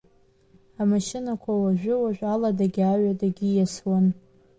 Амашьынақәа уажәы-уажәы аладагьы аҩадагьы ииасуан.